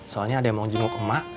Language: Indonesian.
soalnya ada yang mau jemput ke emak